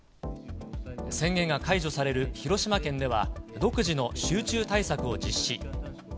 宣言が解除される広島県では、独自の集中対策を実施。